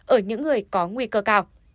ở những người có nguy cơ cao